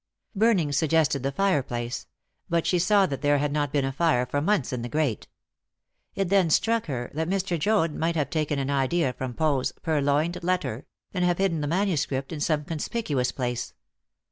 Burning suggested the fireplace; but she saw that there had not been a fire for months in the grate. It then struck her that Mr. Joad might have taken an idea from Poe's "Purloined Letter," and have hidden the manuscript in some conspicuous place.